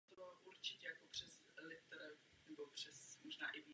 Zdobí ho barokní sochy svatého Vavřince a svatého Floriána a dva malé barokní obrazy.